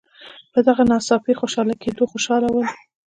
په دغه ناڅاپي خوشي کېدلو خوشاله ول.